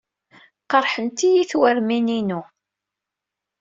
Qerḥent-iyi twermin-innu.